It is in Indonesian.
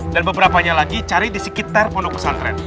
dan beberapanya lagi cari di sekitar pondok pesantren